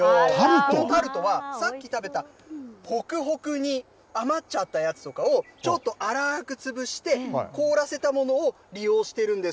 このタルトは、さっき食べたホクホク煮、余っちゃったやつとかを、ちょっと粗く潰して、凍らせたものを利用しているんです。